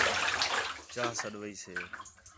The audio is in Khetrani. چاہ سَݙوائیسے